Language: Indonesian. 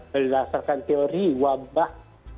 berdasarkan teori wabah